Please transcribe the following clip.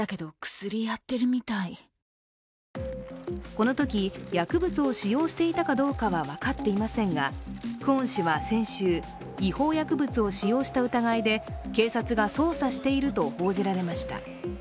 このとき、薬物を使用していたかどうかは分かっていませんがクォン氏は先週、違法薬物を使用した疑いで警察が捜査していると報じられました。